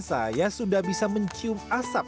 saya sudah bisa mencium asap